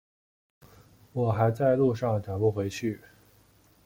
我还在路上赶不回去